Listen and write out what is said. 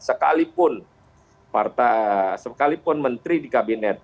dan sekalipun menteri di kabinet